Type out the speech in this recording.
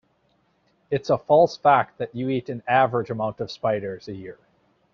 It's a false fact that you eat an average amount of spiders a year.